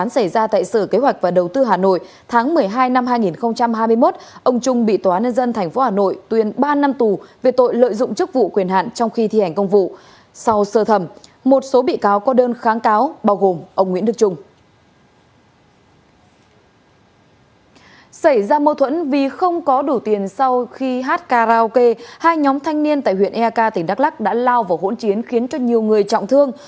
sau khi hát karaoke hai nhóm thanh niên tại huyện ek tỉnh đắk lắc đã lao vào hỗn chiến khiến cho nhiều người trọng thương